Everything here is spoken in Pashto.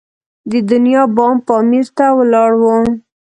د دنیا بام پامیر ته ولاړو.